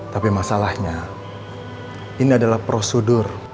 tapi masalahnya ini adalah prosedur